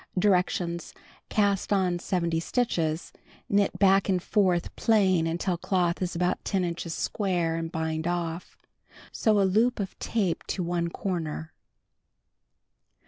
Directions : Cast on 70 stitches, knit back and forth plain until cloth is about 10 inches yquare and bind off. Sew a loop of tape to one corner.